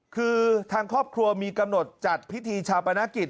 คือทางครอบครัวมีกำหนดจัดพิธีชาปนกิจ